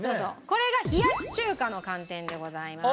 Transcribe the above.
これが冷やし中華の寒天でございます。